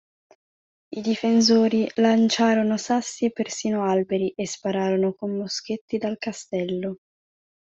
I difensori lanciarono sassi e persino alberi e spararono con moschetti dal castello.